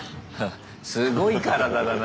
すごい体だな。